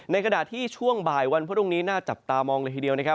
ขณะที่ช่วงบ่ายวันพรุ่งนี้น่าจับตามองเลยทีเดียวนะครับ